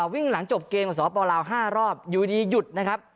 วิ่งหลังจบเกมกับสปลาว๕รอบอยู่ดีหยุดนะครับ